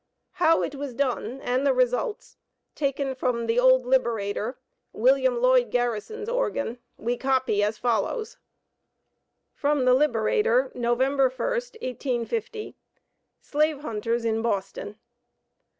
How it was done, and the results, taken from the Old Liberator, (William Lloyd Garrison's organ), we copy as follows: From the "Liberator," Nov. 1, 1850. SLAVE HUNTERS IN BOSTON.